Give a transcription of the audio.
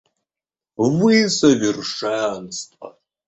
Вы совершенство.